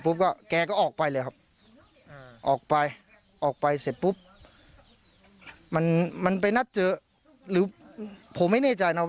พูดตายออกไปเท่าเมเปรพูดตาย